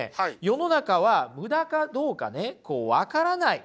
世の中はムダかどうかね分からない